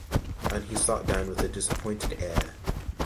And he sat down with a disappointed air.